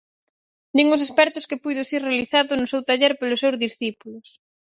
Din os expertos que puido ser realizado no seu taller polos seus discípulos.